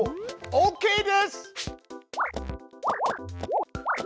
オーケーです！